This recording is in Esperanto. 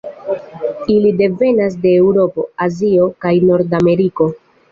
Ili devenas de Eŭropo, Azio, kaj Nordameriko.